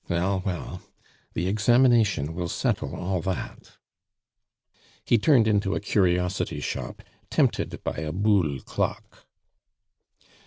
Well, well, the examination will settle all that." He turned into a curiosity shop, tempted by a Boule clock.